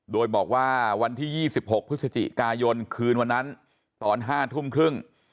โดยบอกว่าวันที่๒๖พฤศจิกายนคืนวันนั้นตอน๕ทุ่มครึ่ง